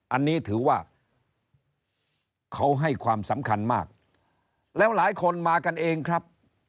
อันนี้ถือว่าเขาให้ความสำคัญมากแล้วหลายคนมากันเองครับ